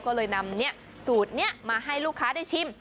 ก็เลยนำสูตรนี้มาให้ลูกค้าได้ชิม